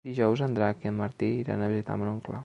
Dijous en Drac i en Martí iran a visitar mon oncle.